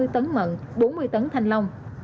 một trăm hai mươi tấn mận bốn mươi tấn thanh long